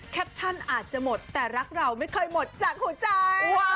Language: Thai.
แคปชั่นอาจจะหมดแต่รักเราไม่เคยหมดจากหัวใจ